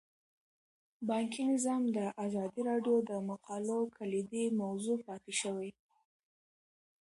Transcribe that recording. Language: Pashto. بانکي نظام د ازادي راډیو د مقالو کلیدي موضوع پاتې شوی.